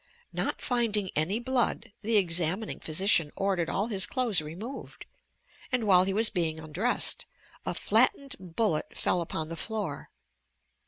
Not finding any blood, the examining physician ordered all his clothes removed and, while he was being undressed, a flattened bullet fell upon the floor.